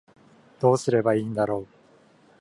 どうすればいいんだろう